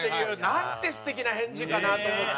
なんて素敵な返事かなと思って。